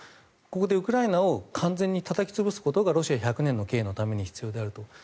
ここでウクライナを完全にたたきつけることがロシア１００年の計のために必要であると。